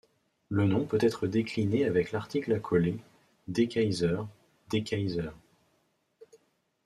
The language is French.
Le nom peut être décliné avec l'article accolé: Dekeyzer, Dekeyser.